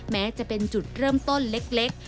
แม้จะเป็นจุดเริ่มต้นเล็ก